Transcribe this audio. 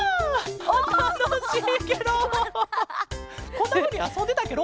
こんなふうにあそんでたケロ？